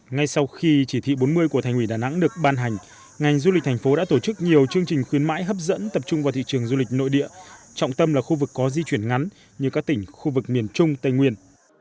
ngay sau khi chỉ thị bốn mươi của thành ủy đà nẵng được ban hành ngành du lịch thành phố đã tổ chức nhiều chương trình khuyến mãi hấp dẫn tập trung vào thị trường du lịch nội địa trọng tâm là khu vực có di chuyển ngắn như các tỉnh khu vực miền trung tây nguyên